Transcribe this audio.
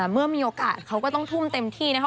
เมื่อมีโอกาสเขาก็ต้องทุ่มเต็มที่นะคะ